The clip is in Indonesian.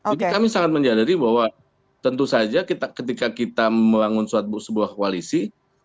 jadi kami sangat menjadari bahwa tentu saja ketika kita membangun sebuah koalisi